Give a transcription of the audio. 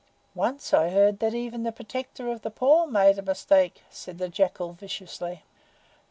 "Once I heard that even the Protector of the Poor made a mistake," said the Jackal viciously.